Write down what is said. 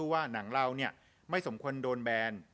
ว่าหนังเราไม่สมควรโดนแบน